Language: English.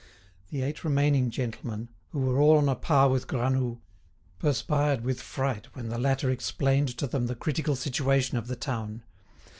The eight remaining gentlemen, who were all on a par with Granoux, perspired with fright when the latter explained to them the critical situation of the town.